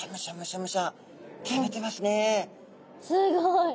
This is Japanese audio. すごい。